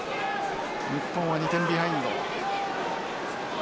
日本は２点ビハインド。